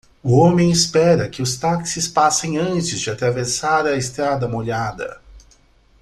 O homem espera que os táxis passem antes de atravessar a estrada molhada